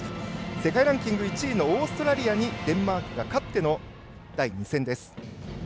世界ランキング１位のオーストラリアにデンマークが勝っての第２戦です。